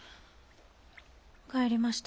帰りました。